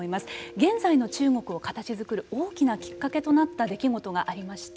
現在の中国を形作る大きなきっかけとなった出来事がありました。